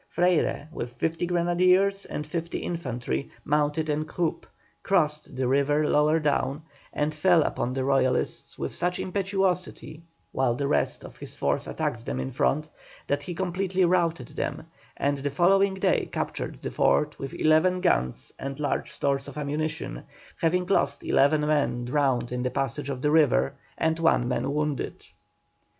Freyre, with 50 grenadiers and 50 infantry mounted en croupe, crossed the river lower down, and fell upon the Royalists with such impetuosity, while the rest of his force attacked them in front, that he completely routed them, and the following day captured the fort, with eleven guns and large stores of ammunition, having lost eleven men drowned in the passage of the river, and one man wounded.